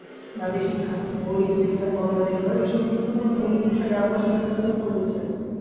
নারী শিক্ষা, মৌলিক অধিকার, মানবাধিকার—এসব গুরুত্বপূর্ণ মৌলিক বিষয়ে গ্রামবাসীকে সচেতন করেছে।